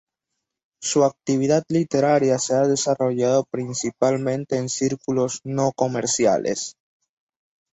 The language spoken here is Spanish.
Su actividad literaria se ha desarrollado principalmente en círculos no comerciales.